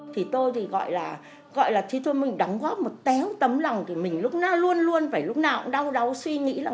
thì tôi thì gọi là gọi là thì thôi mình đóng góp một téo tấm lòng thì mình lúc nào luôn luôn phải lúc nào cũng đau đau suy nghĩ là